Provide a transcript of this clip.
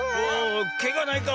けがないか？